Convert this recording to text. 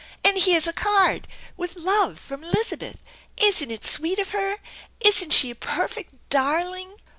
"And here's a card, < With love from Elizabeth '! Isn't it fiweet of her? Isn't she a perfect darling?"